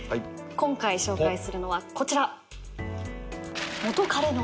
今回紹介するのはこちら。